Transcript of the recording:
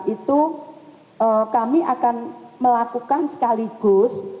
itu kami akan melakukan sekaligus